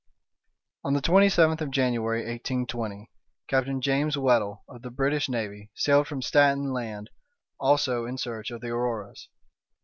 On the twenty seventh of January, 1820, Captain James Weddel, of the British navy, sailed from Staten Land also in search of the Auroras.